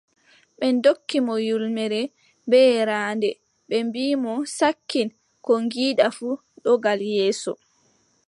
Ɓe ndokki mo ƴulmere, bee yaaraande, ɓe mbii mo: sakkin, ko ngiɗɗa fuu, ɗo gal yeeso.